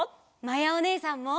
まやおねえさんも！